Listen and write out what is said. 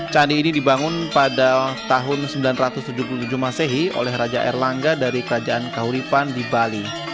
candi ini dibangun pada tahun seribu sembilan ratus tujuh puluh tujuh masehi oleh raja erlangga dari kerajaan kahuripan di bali